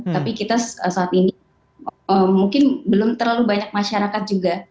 tapi kita saat ini mungkin belum terlalu banyak masyarakat juga